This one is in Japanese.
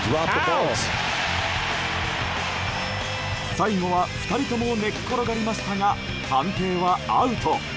最後は２人とも寝っ転がりましたが判定は、アウト。